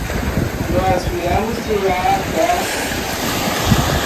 Nós viemos de Artés.